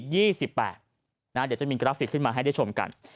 เดี๋ยวจะมีกราฟิกขึ้นมาให้ได้ชมกัน